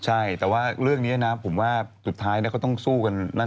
ใช่แต่ว่าเรื่องนี้นะผมว่าสุดท้ายก็ต้องสู้กันนั่น